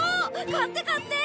買って買って！